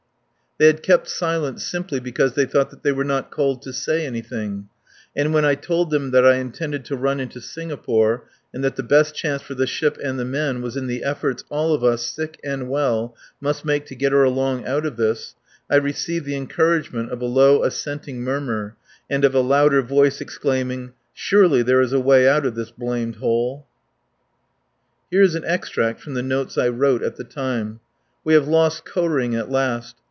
They had kept silent simply because they thought that they were not called to say anything; and when I told them that I intended to run into Singapore and that the best chance for the ship and the men was in the efforts all of us, sick and well, must make to get her along out of this, I received the encouragement of a low assenting murmur and of a louder voice exclaiming: "Surely there is a way out of this blamed hole." Here is an extract from the notes I wrote at the time. "We have lost Koh ring at last.